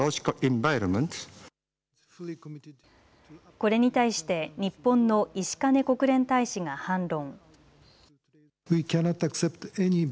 これに対して日本の石兼国連大使が反論。